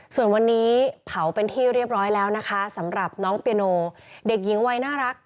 ส่วนวันนี้เผาเป็นที่เรียบร้อยแล้วนะคะสำหรับน้องเปียโนเด็กหญิงวัยน่ารัก